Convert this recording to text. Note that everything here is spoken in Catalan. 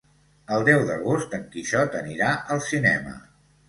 El deu d'agost en Quixot anirà al cinema.